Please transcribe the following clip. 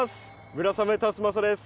村雨辰剛です。